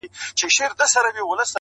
• په غومبرو په پرواز به وي منلي -